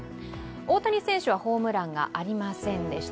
大谷選手はホームランがありませんでした。